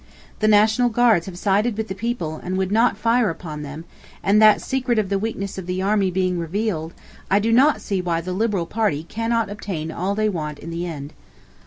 The National Guards have sided with the people, and would not fire upon them, and that secret of the weakness of the army being revealed, I do not see why the Liberal party cannot obtain all they want in the end.